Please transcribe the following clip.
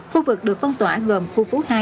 khu vực được phong tỏa gồm khu phố hai